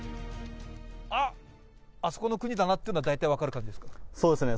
あっ、あそこの国だなっていうのは大体分かるんですか？